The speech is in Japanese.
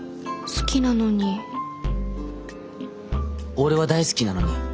俺は大好きなのに。